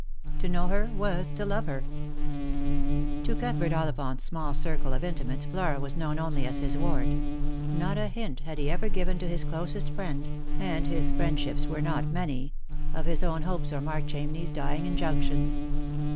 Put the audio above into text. To know her was to love her. To Cuthbert Ollivant's small circle of intimates Flora was known only as his ward. Not a hint had he ever given to his closest friend — and his friendships were not many — of his own hopes or Mark Chamney's dying injunctions.